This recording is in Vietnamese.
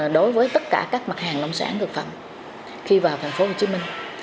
đối với tất cả các mặt hàng nông sản thực phẩm khi vào thành phố hồ chí minh